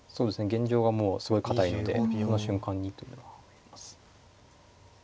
現状がもうすごい堅いのでこの瞬間にというのは。